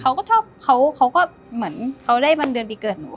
เขาก็ชอบเขาเขาก็เหมือนเขาได้วันเดือนปีเกิดหนู